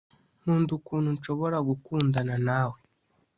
nkunda ukuntu nshobora gukundana nawe